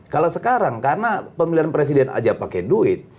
kalau sekarang karena pemilihan presiden aja pakai duit